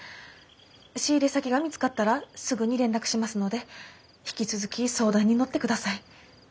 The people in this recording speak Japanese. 仕入れ先が見つかったらすぐに連絡しますので引き続き相談に乗ってください。